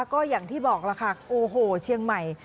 ก็อย่างที่บอกล่ะค่ะโอ้โหเชียงใหม่